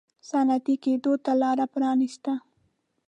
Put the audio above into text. صنعتي کېدو ته لار پرانېسته.